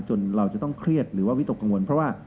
เราจะต้องเครียดหรือว่าวิตกกังวลเพราะว่า